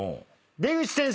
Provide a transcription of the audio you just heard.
出口先生。